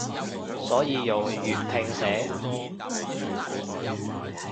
所以用粵拼寫